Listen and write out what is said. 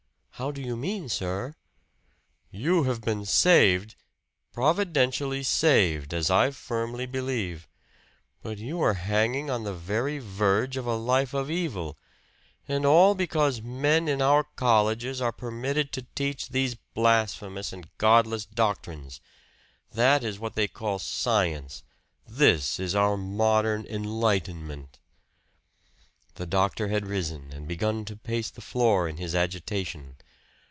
"How do you mean, sir?" "You have been saved providentially saved, as I firmly believe. But you were hanging on the very verge of a life of evil; and all because men in our colleges are permitted to teach these blasphemous and godless doctrines. This is what they call science! This is our modern enlightenment!" The doctor had risen and begun to pace the floor in his agitation.